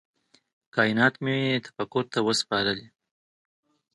کائینات مي تفکر ته وه سپارلي